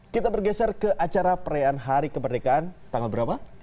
kita bergeser ke acara perayaan hari kemerdekaan tanggal berapa